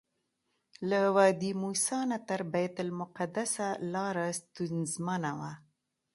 له وادي موسی نه تر بیت المقدسه لاره ستونزمنه وه.